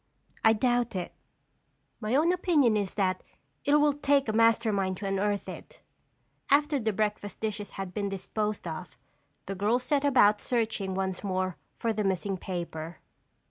"I doubt it. My own opinion is that it will take a master mind to unearth it." After the breakfast dishes had been disposed of, the girls set about searching once more for the missing paper.